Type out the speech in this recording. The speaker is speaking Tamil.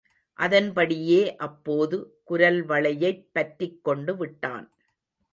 அதன்படியே அப்போது குரல் வளையைப் பற்றிக்கொண்டுவிட்டான்.